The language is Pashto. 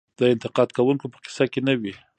د انتقاد کوونکو په قصه کې نه وي .